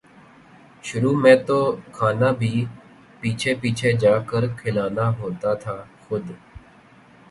شروع میں تو کھانا بھی پیچھے پیچھے جا کر کھلانا ہوتا تھا خود